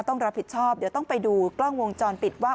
ต้องรับผิดชอบเดี๋ยวต้องไปดูกล้องวงจรปิดว่า